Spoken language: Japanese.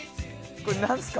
これ、何すか？